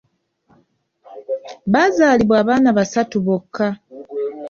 Baazaalibwa abaana basatu bokka.